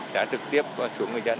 đã trực tiếp xuống người dân